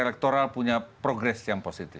elektoral punya progress yang positif